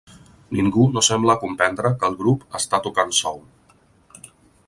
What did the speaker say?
Ningú no sembla comprendre que el grup està tocant soul.